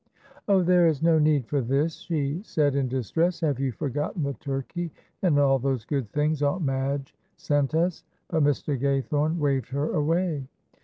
"Oh there is no need for this," she said, in distress; "have you forgotten the turkey and all those good things Aunt Madge sent us?" but Mr. Gaythorne waved her away.